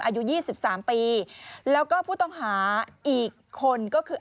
อายุ๒๓ปีแล้วก็ผู้ต้องหาอีกคนก็คือ